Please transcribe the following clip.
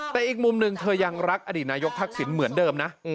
แต่อีกมุมหนึ่งเธอยังรักอดีตนายกทักษิณเหมือนเดิมนะ